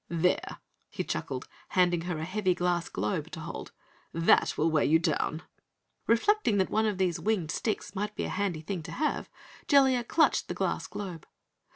"There," he chuckled, handing her a heavy glass globe to hold, "that will weigh you down!" Reflecting that one of these winged sticks might be a handy thing to have, Jellia clutched the glass globe.